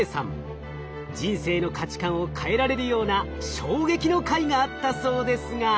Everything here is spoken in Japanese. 人生の価値観を変えられるような衝撃の回があったそうですが。